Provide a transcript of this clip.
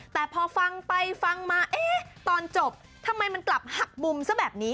แต่พอฟังไปฟังมาเอ๊ะตอนจบทำไมมันกลับหักมุมซะแบบนี้